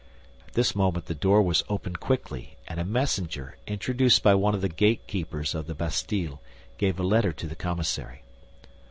At this moment the door was opened quickly, and a messenger, introduced by one of the gatekeepers of the Bastille, gave a letter to the commissary.